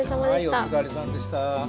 はいお疲れさまでした。